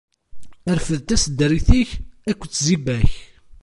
Rfed taseddarit-ik akked tziba-k.